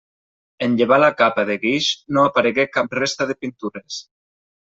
En llevar la capa de guix no aparegué cap resta de pintures.